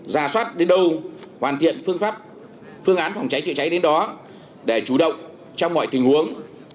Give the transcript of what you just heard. giả soát đến đâu hoàn thiện phương pháp phương án phòng cháy chữa cháy đến đó để chủ động trong mọi tình huống